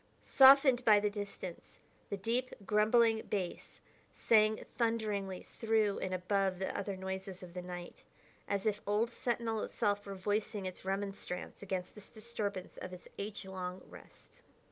Softened by the distance, the deep, grumbling bass sang thunderingly through and above the other noises of the night, as if old Sentinel itself were voicing its remonstrance against this disturbance of its age long rest.